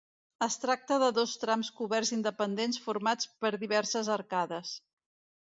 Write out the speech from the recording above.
Es tracta de dos trams coberts independents, formats per diverses arcades.